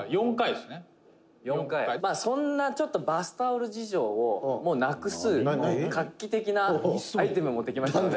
玉森：「４回」「そんなバスタオル事情をなくす画期的なアイテムを持ってきましたので」